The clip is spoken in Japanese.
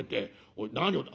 おい何をだ